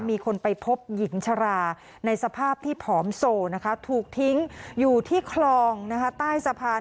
มีคนไปพบหญิงชราในสภาพที่ผอมโซนะคะถูกทิ้งอยู่ที่คลองใต้สะพาน